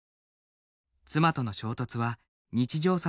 妻との衝突は日常